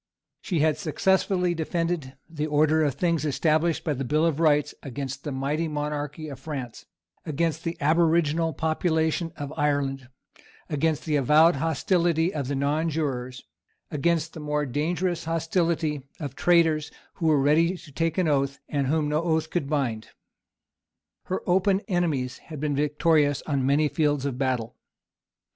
She had successfully defended the order of things established by the Bill of Rights against the mighty monarchy of France, against the aboriginal population of Ireland, against the avowed hostility of the nonjurors, against the more dangerous hostility of traitors who were ready to take any oath, and whom no oath could bind. Her open enemies had been victorious on many fields of battle.